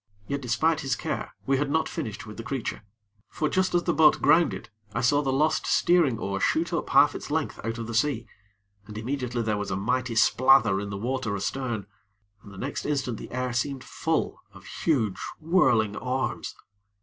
Yet, despite his care, we had not finished with the creature; for, just as the boat grounded, I saw the lost steering oar shoot up half its length out of the sea, and immediately there was a mighty splather in the water astern, and the next instant the air seemed full of huge, whirling arms.